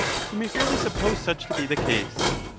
We may fairly suppose such to be the case.